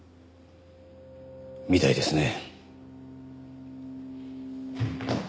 みたいですね。